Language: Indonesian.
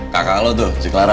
kakak lo tuh si clara